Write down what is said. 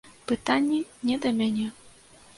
Пытанні не да мяне.